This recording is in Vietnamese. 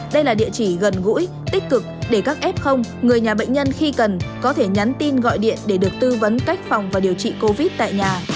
đây là địa chỉ gần gũi tích cực để các f người nhà bệnh nhân khi cần có thể nhắn tin gọi điện để được tư vấn cách phòng và điều trị covid tại nhà